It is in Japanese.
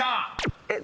えっ？